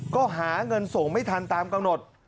ก็หาเงินส่งไม่ทันตามกำหนด